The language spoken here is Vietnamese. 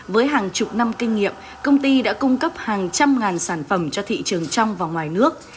với hàng chục năm kinh nghiệm công ty đã cung cấp hàng trăm ngàn sản phẩm cho thị trường trong và ngoài nước